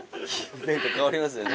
変わりますよね。